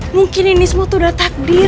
mungkin ini semua tuh udah takdir